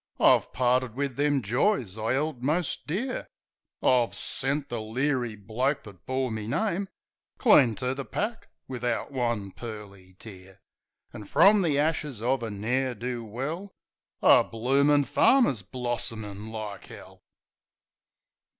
I've parted wiv them joys I 'eld most dear; I've sent the leery bloke that bore me name Clean to the pack wivout one pearly tear; An' frum the ashes of a ne'er do well A bloomin' farmer's blossomin' like 'ell.